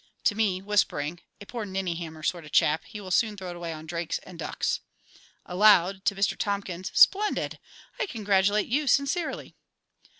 (To me, whispering.) A poor ninny hammer sort of chap, he will soon throw it away on drakes and ducks! (Aloud, to ~Mr TOMKINS.~) Splendid! I congratulate you sincerely.